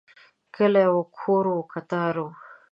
کلی و، کورونه و، کتار و